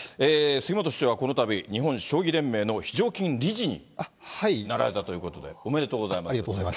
杉本師匠はこのたび、日本将棋連盟の非常勤理事になられたということで、おめでとうごありがとうございます。